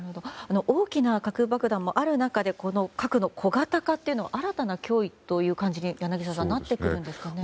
大きな核爆弾もある中で格の小型化というのは新たな脅威になってくるんですかね？